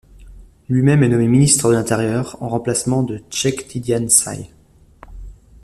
Lui-même est nommé ministre de l'Intérieur, en remplacement de Cheikh Tidiane Sy.